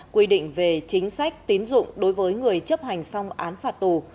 quy định về chính sách tín dụng đối với người chấp hành xong án phạt tù